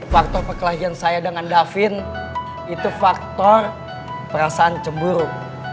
faktor perkelahian saya dengan davin itu faktor perasaan cemburu